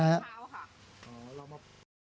ตอนเช้าค่ะ